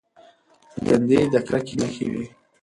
په تندي یې د کرکې نښې وې.